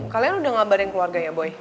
kalian udah ngabarin keluarganya boy